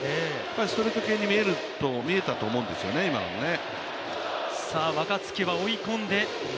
ストレート系に見えたと思うんですよね、今のね。